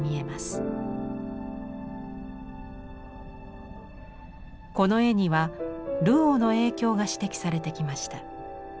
この絵にはルオーの影響が指摘されてきました。